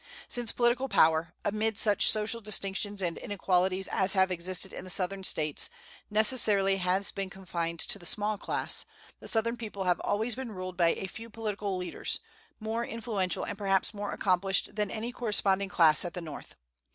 Since political power, amid such social distinctions and inequalities as have existed in the Southern States, necessarily has been confined to the small class, the Southern people have always been ruled by a few political leaders, more influential and perhaps more accomplished than any corresponding class at the North.